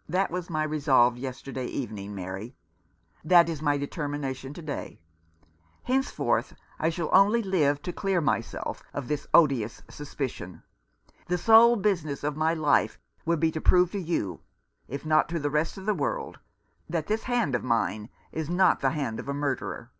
" That was my resolve yesterday evening, Mary. That is my determination to day. Henceforth I shall only live to clear myself of this odious sus picion. The sole business of my life will be to prove to you, if not to the rest of the world, that this hand of mine is not the hand of a murderer.